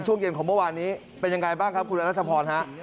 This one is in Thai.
ช่วงเย็นของเมื่อวานนี้เป็นยังไงบ้างครับคุณอรัชพรฮะ